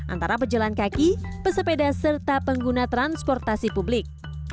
antara pejalan kaki pesepeda serta pengguna transportasi publik